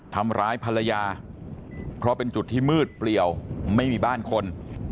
ทำร้ายภรรยาเพราะเป็นจุดที่มืดเปลี่ยวไม่มีบ้านคน